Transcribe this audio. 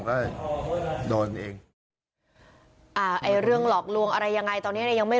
ก็โดนเองอ่าไอ้เรื่องหลอกลวงอะไรยังไงตอนเนี้ยยังไม่